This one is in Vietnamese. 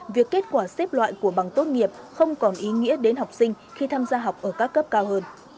việc kết quả xếp loại của bằng tốt nghiệp không còn ý nghĩa đến học sinh khi tham gia học ở khu